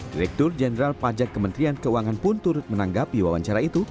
direktur jenderal pajak kementerian keuangan pun turut menanggapi wawancara itu